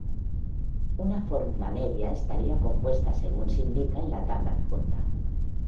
Una fórmula media estaría compuesta según se indica en la tabla adjunta.